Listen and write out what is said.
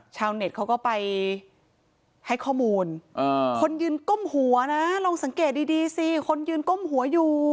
ชาวเน็ตเขาก็ไปให้ข้อมูลคนยืนก้มหัวนะลองสังเกตดีสิคนยืนก้มหัวอยู่